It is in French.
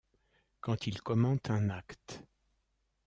Quand il commente un acte.